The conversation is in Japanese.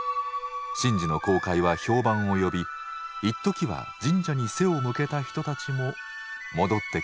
神事の公開は評判を呼びいっときは神社に背を向けた人たちも戻ってきました。